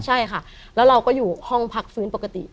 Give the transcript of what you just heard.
ใช่ค่ะแล้วเราก็อยู่ห้องพักฟื้นปกติ